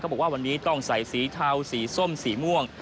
บอกว่าวันนี้ต้องใส่สีเทาสีส้มสีม่วง